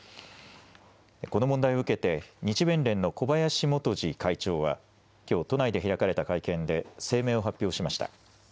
この問題を受けて日弁連の小林元治会長はきょう都内で開かれた会見で声明を発表しました。